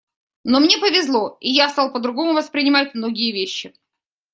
Но мне повезло, и я стал по-другому воспринимать многие вещи.